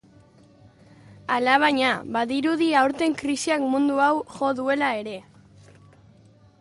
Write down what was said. Alabaina, badirudi aurten krisiak mundu hau jo duela ere.